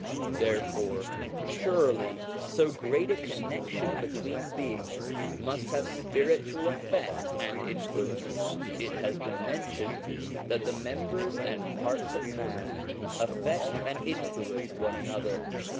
Therefore, surely so great a connection between beings must have spiritual effect and influence. It has been mentioned that the members and parts of man affect and influence one another.